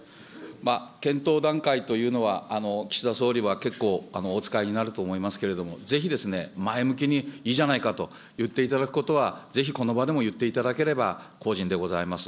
検討段階というのは、岸田総理は結構、お使いになると思いますけれども、ぜひですね、前向きにいいじゃないかと言っていただくことは、ぜひこの場でも言っていただければ幸甚でございます。